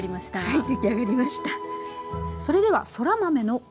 はい。